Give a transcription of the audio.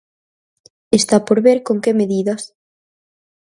Está por ver con que medidas.